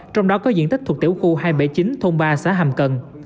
trong đó có diện tích thuộc tiểu khu hai trăm bảy mươi chín thôn ba xã hàm cần